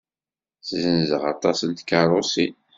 Ssenzeɣ aṭas n tkeṛṛusin.